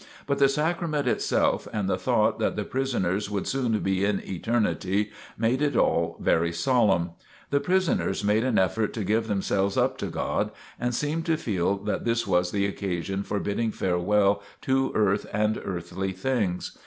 But the Sacrament Itself and the thought that the prisoners would so soon be in Eternity, made it all very solemn. The prisoners made an effort to give themselves up to God, and seemed to feel that this was the occasion for bidding farewell to earth and earthly things.